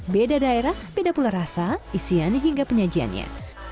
beda daerah beda pula rasa isian hingga penyajiannya